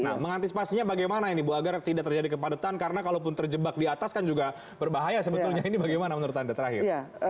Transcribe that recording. nah mengantisipasinya bagaimana ini bu agar tidak terjadi kepadatan karena kalaupun terjebak di atas kan juga berbahaya sebetulnya ini bagaimana menurut anda terakhir